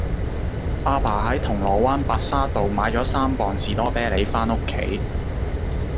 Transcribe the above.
亞爸喺銅鑼灣白沙道買左三磅士多啤梨返屋企